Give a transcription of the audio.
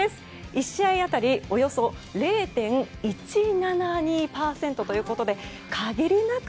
１試合当たりおよそ０．１７２％ということで限りなく